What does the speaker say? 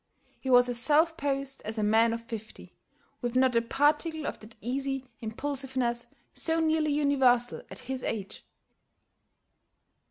He was as self poised as a man of fifty, with not a particle of that easy impulsiveness so nearly universal at his age.